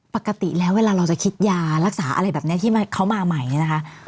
ปกติแล้วเวลาเราจะคิดยารักษาอะไรแบบนี้ที่เขามาใหม่เนี่ยนะคะ